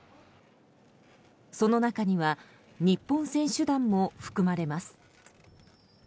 その中には日本選手団も含まれます。